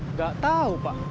nggak tahu pak